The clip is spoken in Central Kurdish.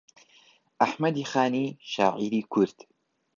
ئەحمەدی خانی شاعیری کورد